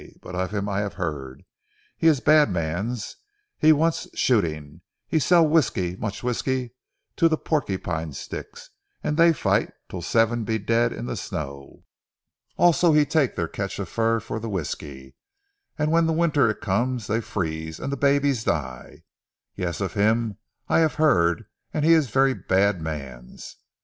But of him I hav' heard. He is bad mans, he want shooting. He sell whiskey mooch whiskey, to ze Porcupine Sticks, an' dey fight till seven be dead in ze snow. Also he take their catch of fur for ze whiskey, an' when ze winter it come, dey freeze, an' ze babes die. Yes, of him, I have heard, an' he is very bad mans.